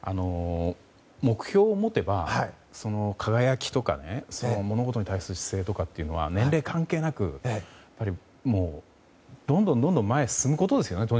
目標を持てば輝きとか物事に対する姿勢というのは年齢関係なく、とにかくどんどん前に進むことですよね。